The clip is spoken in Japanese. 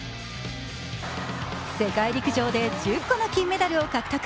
世界陸上で１０個の金メダルを獲得。